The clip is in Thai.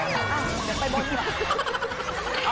อ้าวอยากไปบ้านดีกว่า